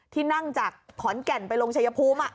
ที่นั่งจากขอนแก่นไปลงชายภูมิ